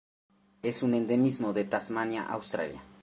Es un endemismo de Tasmania, Australia.